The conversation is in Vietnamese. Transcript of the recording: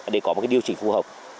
để có một điều chỉnh phương hợp